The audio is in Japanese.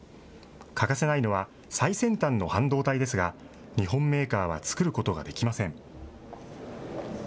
欠かせないのは、最先端の半導体ですが、日本メーカーは作ることができません。